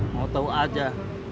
mau tau aja